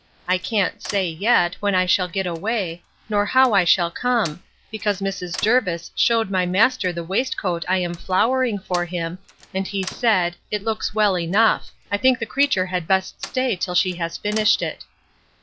I can't say, yet, when I shall get away, nor how I shall come, because Mrs. Jervis shewed my master the waistcoat I am flowering for him, and he said, It looks well enough: I think the creature had best stay till she has finished it.